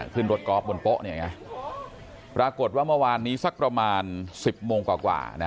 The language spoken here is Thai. ขึ้นรถกอล์ฟบนโป๊ะปรากฏว่าเมื่อวานนี้สักประมาณ๑๐โมงกว่า